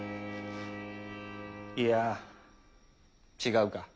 いや違うか。